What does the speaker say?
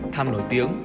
tham nổi tiếng